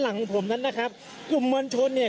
คุณภูริพัฒน์บุญนิน